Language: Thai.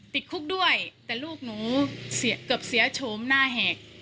ติดคุกด้วยแต่ลูกหนูเสียเกือบเสียโฉมหน้าแหก